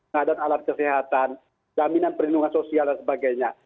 pengadaan alat kesehatan jaminan perlindungan sosial dan sebagainya